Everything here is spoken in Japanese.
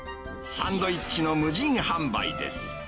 サンドイッチの無人販売です。